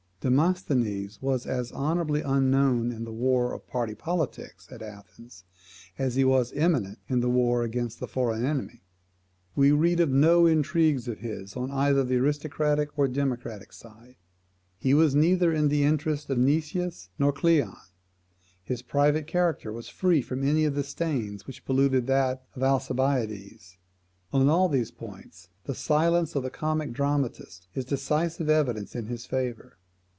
Demosthenes was as honourably unknown in the war of party politics at Athens, as he was eminent in the war against the foreign enemy. We read of no intrigues of his on either the aristocratic or democratic side. He was neither in the interest of Nicias, nor of Cleon. His private character was free from any of the stains which polluted that of Alcibiades. On all these points the silence of the comic dramatist is decisive evidence in his favour.